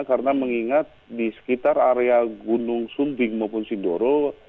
karena mengingat di sekitar area gunung sumbing maupun sindoro